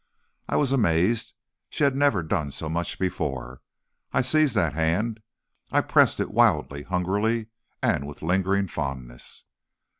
"I was amazed; she had never done so much before. I seized that hand, I pressed it wildly, hungrily, and with lingering fondness.